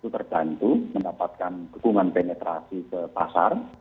terbantu mendapatkan dukungan penetrasi ke pasar